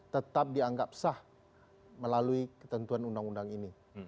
tetap dianggap sah melalui ketentuan undang undang ini